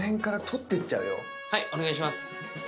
はいお願いします。